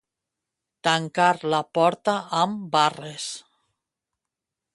Tancar la porta amb barres.